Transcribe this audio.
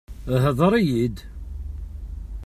Ḥeḍr iyid!